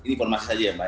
ini informasi saja ya pak